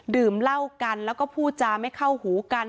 ดื่มเหล้ากันแล้วก็พูดจาไม่เข้าหูกัน